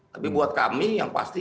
tapi buat kami yang pasti